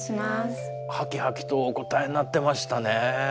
はきはきとお答えになってましたね。